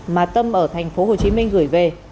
mà tâm ở thành phố hồ chí minh gửi về